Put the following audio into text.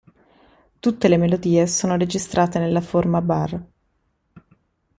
Tutte le melodie sono registrate nella forma bar.